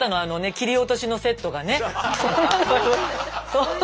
あの切り落としのセットがね。